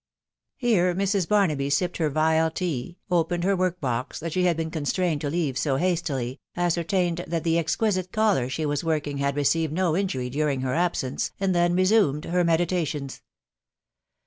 Here Mrs. Barnaby sipped her vile tea, opened her work box that she had been constrained to leave so hastily, ascer tained that the exquisite collar she was working had received no injury during her absence, and then resumed •her medi tations.